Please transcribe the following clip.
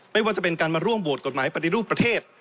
ไม่ว่าจะเป็นการมาร่วมโหวตกฎหมายปฏิรูปประเทศ